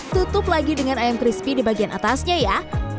tutup lagi dengan ayam crispy di bagian atasnya ya